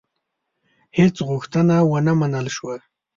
هیڅ غوښتنه ونه منل شوه.